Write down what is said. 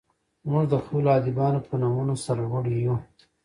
موږ د خپلو ادیبانو په نومونو سر لوړي یو.